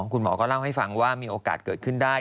คุณหมอก็เล่าให้ฟังว่ามีโอกาสเกิดขึ้นได้